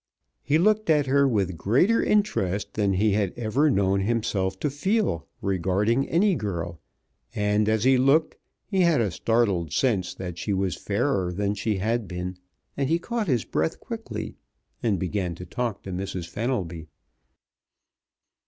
He looked at her with greater interest than he had ever known himself to feel regarding any girl, and as he looked he had a startled sense that she was fairer than she had been, and he caught his breath quickly and began to talk to Mrs. Fenelby.